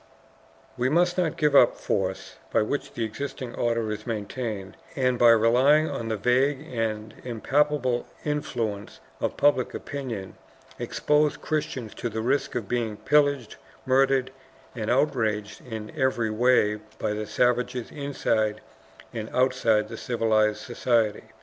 "We must not give up force, by which the existing order is maintained, and by relying on the vague and impalpable influence of public opinion expose Christians to the risk of being pillaged, murdered, and outraged in every way by the savages inside and outside of civilized society.